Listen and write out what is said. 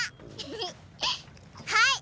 はい！